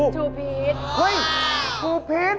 ทูพีชโอ้โฮโอ้โฮอุ๊ย